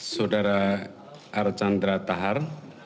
saudara archandra thar